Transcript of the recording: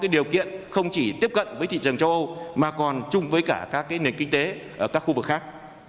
điều kiện không chỉ tiếp cận với thị trường châu âu mà còn chung với cả các nền kinh tế ở các khu vực khác